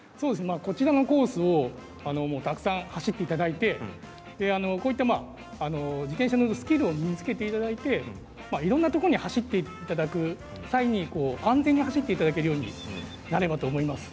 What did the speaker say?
こちらのコースをたくさん走っていただいて自転車のスキルを身につけていただいていろんなところを走っていただく際に安全に走っていただけるようになればと思います。